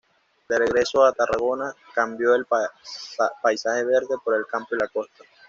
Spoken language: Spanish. De regreso a Tarragona, cambió el paisaje verde por el campo y la costa.